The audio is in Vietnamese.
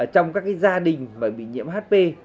trong các cái gia đình mà bị nhiễm hp